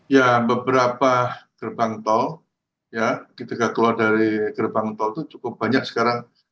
ya beberapa gerbang tol ya ketika keluar dari gerbang tol itu cukup banyak sekarang